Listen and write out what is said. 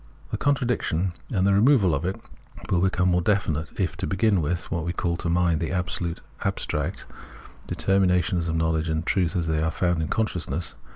This contradiction and the removal of it will become Introduction 83 more definite it, to begin witti, we call to mind tlie ab stract determinations of knowledge and of truth, as they are found in consciousness.